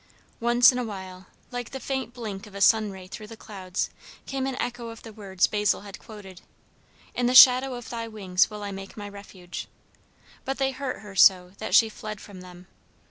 Once in a while, like the faint blink of a sun ray through the clouds, came an echo of the words Basil had quoted "In the shadow of thy wings will I make my refuge" but they hurt her so that she fled from them.